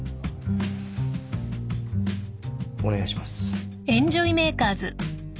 お願いします。